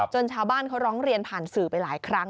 ชาวบ้านเขาร้องเรียนผ่านสื่อไปหลายครั้ง